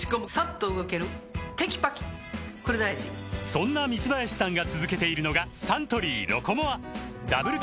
そんな三林さんが続けているのがサントリー「ロコモア」ダブル